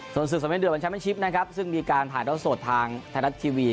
ส่วนศึกสมัยเดือบวันช้าเป็นชิปนะครับซึ่งมีการถ่ายรอดโสดทางไทยรัฐทีวี